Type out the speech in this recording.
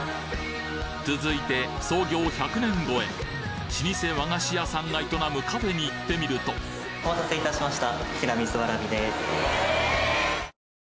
続いて創業１００年越え老舗和菓子屋さんが営むカフェに行ってみるとお待たせいたしました。